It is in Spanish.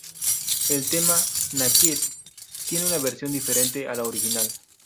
El tema "Naked" tiene una versión diferente a la original.